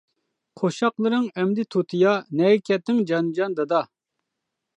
قوشاقلىرىڭ ئەمدى تۇتىيا، نەگە كەتتىڭ جانىجان دادا.